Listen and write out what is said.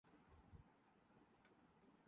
مرضی کے تابع تھی اور اس کا جسم مرد کے جسمانی